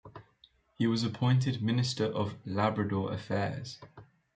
He was appointed Minister of Labrador Affairs.